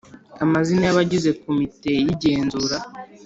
amazina y abagize Komite y Igenzura